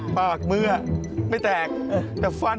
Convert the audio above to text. หรือใครกำลังร้อนเงิน